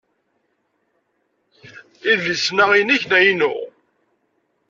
Idlisen-a inekk neɣ inu?